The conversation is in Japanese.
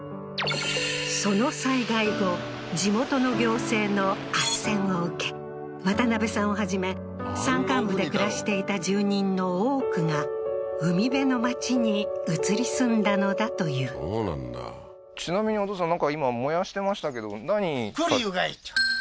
その災害後地元の行政のあっせんを受け渡辺さんをはじめ山間部で暮らしていた住人の多くが海辺の町に移り住んだのだというちなみにお父さん栗？